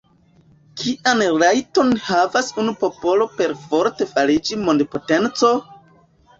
Kian rajton havas unu popolo perforte fariĝi mondpotenco?